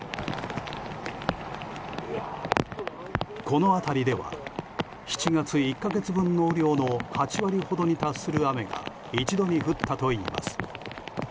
この辺りでは７月１か月分の雨量の８割ほどに達する雨が一度に降ったといいます。